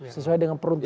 sesuai dengan peruntukan